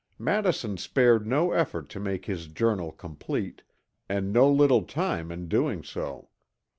Madison spared no effort to make his journal complete, and no little time in doing so.